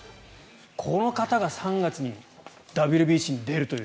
この方が３月にＷＢＣに出るという。